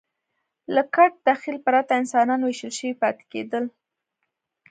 له ګډ تخیل پرته انسانان وېشل شوي پاتې کېدل.